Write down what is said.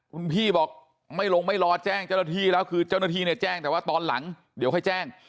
คุณพี่บอกไม่ลงไม่รอแจ้งเจ้าหน้าที่แล้วคือเจ้าหน้าที่เนี่ยแจ้งแต่ว่าตอนหลังเดี๋ยวค่อยแจ้ง